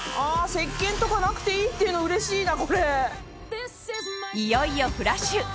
石鹸とかなくていいっていうのうれしいな。